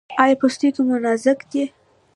ایا پوستکی مو نازک دی؟